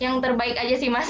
yang terbaik aja sih mas